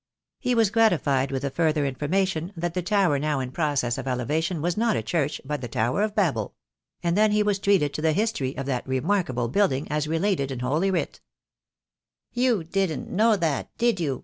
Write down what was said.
He was gratified with the further information that the tower now in process of elevation was not a church, but the Tower of Babel; and he was then treated to the history of that remarkable building as related in Holy Writ. 286 THE DAY WILL COME. "You didn't know that, did you?"